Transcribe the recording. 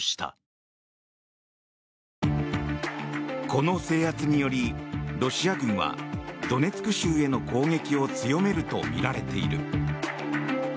この制圧によりロシア軍はドネツク州への攻撃を強めるとみられている。